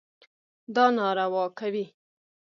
دا ناروا کوي.